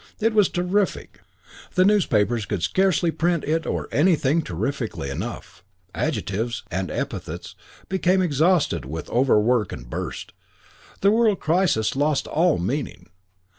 It was terrific. The newspapers could scarcely print it or anything terrifically enough. Adjectives and epithets became exhausted with overwork and burst. The word crisis lost all meaning.